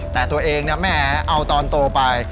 แต่ตัวเองแหมเอาตอนโตไป